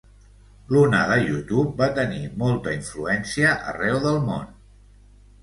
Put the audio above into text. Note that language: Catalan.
L’onada YouTube va tenir molta influència arreu del món.